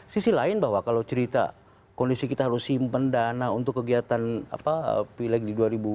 sisi lain bahwa kalau cerita kondisi kita harus simpen dana untuk kegiatan pileg di dua ribu dua puluh